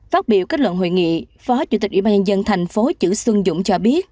phát biểu kết luận hội nghị phó chủ tịch ủy ban nhân dân thành phố chữ xuân dũng cho biết